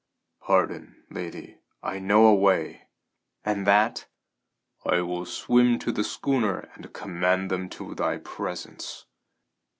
"Pardon, lady, I know a way!" "And that?" "I will swim to the schooner and command them to thy presence."